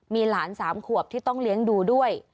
มีหลาน๓ขวบที่ต้องเลี้ยงดูด้วย